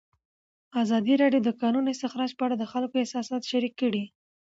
ازادي راډیو د د کانونو استخراج په اړه د خلکو احساسات شریک کړي.